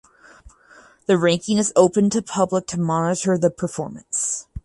The ranking is open to public to monitor the performance.